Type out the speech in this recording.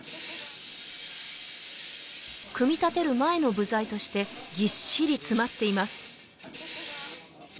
組み立てる前の部材としてぎっしり詰まっています